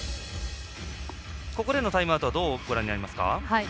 ここでのタイムアウトはどうご覧になりますか？